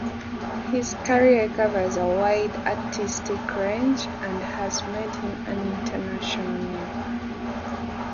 His career covers a wide artistic range and has made him an international name.